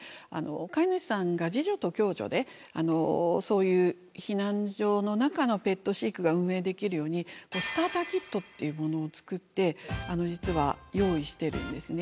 飼い主さんが自助と共助でそういう避難所の中のペット飼育が運営できるようにスターターキットっていうものを作って実は用意しているんですね。